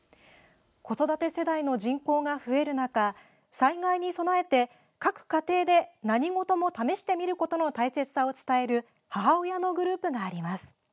子育て世代の人口が増える中災害に備えて各家庭で何事も試してみることの大切さを伝える母親のグループがあります。